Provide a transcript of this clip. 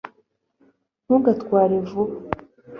ntugatware vuba